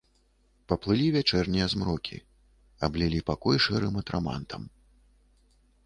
Паплылі вячэрнія змрокі, аблілі пакой шэрым атрамантам.